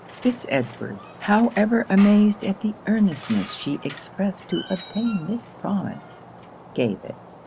Fitz Edward, however amazed at the earnestness she expressed to obtain this promise, gave it.